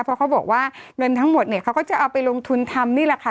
เพราะเขาบอกว่าเงินทั้งหมดเนี่ยเขาก็จะเอาไปลงทุนทำนี่แหละค่ะ